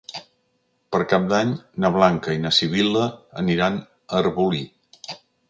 Per Cap d'Any na Blanca i na Sibil·la aniran a Arbolí.